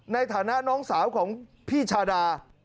ในฐานะน้องสาวของพี่ชาดา